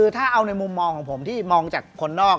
ถ้าเอาในมุมมองของผมที่มองจากคนนอก